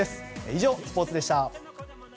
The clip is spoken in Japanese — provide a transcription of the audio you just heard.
以上、スポーツでした。